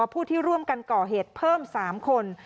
ผู้ที่ร่วมกันก่อเหตุเพิ่ม๓คน